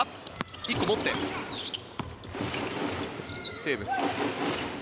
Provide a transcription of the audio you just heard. １個持って、テーブス。